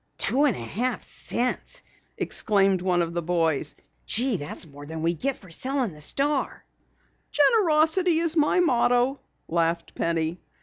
"Two and a half cents!" exclaimed one of the boys. "Gee, that's more than we get for selling the Star!" "Generosity is my motto," laughed Penny.